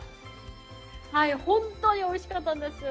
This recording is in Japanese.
本当においしかったんですよ。